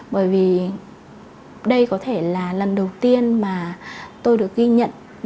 bởi vì đây có thể là lần đầu tiên mà tôi được ghi nhận